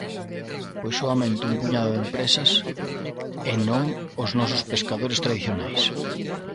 Pois soamente un puñado de empresas e non os nosos pescadores tradicionais.